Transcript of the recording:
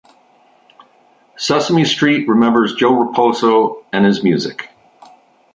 Sesame Street Remembers Joe Raposo and His Music.